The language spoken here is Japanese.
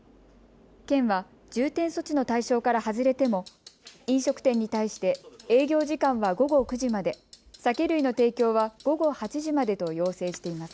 県は重点措置の対象から外れても飲食店に対して営業時間は午後９時まで、酒類の提供は午後８時までと要請しています。